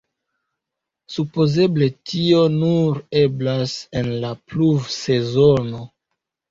Supozeble tio nur eblas en la pluvsezono.